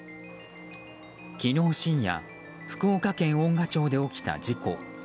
昨日深夜福岡県遠賀町で起きた事故。